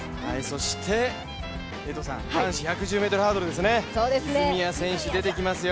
そして男子１１０ｍハードルですね、泉谷選手、出てきますよ。